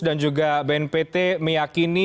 dan juga bnpt meyakini